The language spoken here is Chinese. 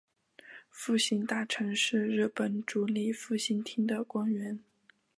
复兴大臣是日本主理复兴厅的官员。